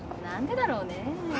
何でだろうね？